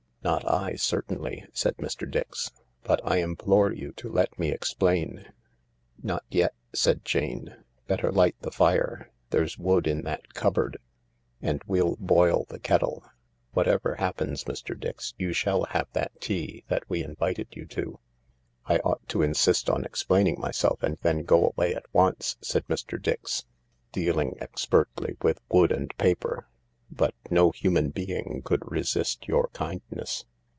" Not I, certainly/' said Mr. Dix, " but I implore you to let me explain "" Not yet," said Jane ;" better light the fire— there 'swood in that cupboard. And we'll boil the kettle ; whatever happens, Mr. Dix, you shall have tfiat tea that we invited you to." " I ought to insist on explaining myself and then go away at once," said Mr. Dix, dealing expertly with wood and paper, " but no human being could resist your kindness."